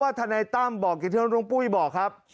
ว่าทนายตั้มบอกกิธนรงปุ้ยบอกครับ